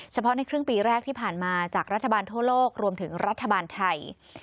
เฉพาะในครึ่งปีแรกที่ผ่านมาจากรัฐบาลทั่วโลกรวมถึงรัฐบาลไทย